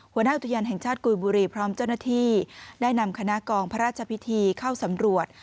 หัวหน้าอุทยานแห่งชาติกุยบุรีพร้อมเจ้าหน้าที่ได้นำคณะกองพระราชพิธีเข้าสำรวจ